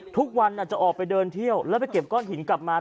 ทุกวันจะออกไปเดินเที่ยวแล้วไปเก็บก้อนหินกลับมา